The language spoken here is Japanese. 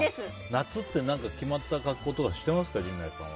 夏って決まった格好とかしていますか、陣内さんは。